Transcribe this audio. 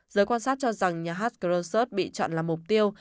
giới quan sát cho rằng nhà hát kcrosot bị chọn là mục tiêu